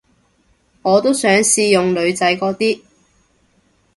我都想試用女仔嗰啲